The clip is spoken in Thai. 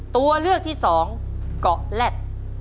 ตัวเลือกที่สองเกาะแล็ด